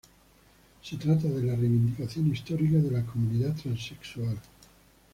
Se trata de la reivindicación histórica de la comunidad transexual.